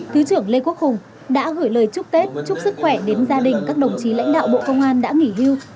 thứ trưởng lê quốc hùng đã gửi lời chúc tết chúc sức khỏe đến gia đình các đồng chí lãnh đạo bộ công an đã nghỉ hưu